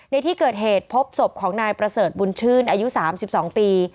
ในที่เกิดเหตุพบศพของนายประเสริฐบุญชื่นอายุ๓๒ปี